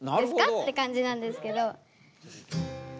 っていう感じなんですけど。